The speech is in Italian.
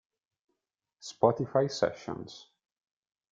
Spotify Sessions